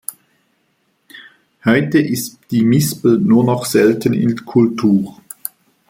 Heute ist die Mispel nur noch selten in Kultur.